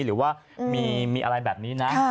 หรือว่ามีอะไรแบบนี้นะ